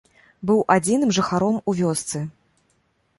Быў адзіным жыхаром у вёсцы.